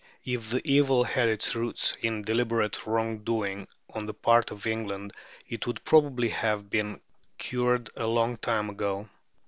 If the evil had its root in deliberate wrong doing on the part of England it would probably have been cured long ago.